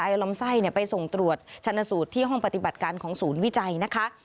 เอาลำไส้ไปส่งตรวจชนะสูตรที่ห้องปฏิบัติการของศูนย์วิจัยนะคะ